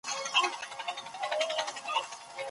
محمود خپل ورور په زور بېداوی.